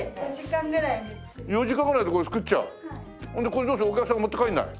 ほんでこれどうするお客さん持って帰らない？